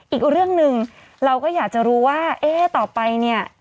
อีกเรื่องหนึ่งเราก็อยากจะรู้ว่าเอ๊ะต่อไปเนี่ย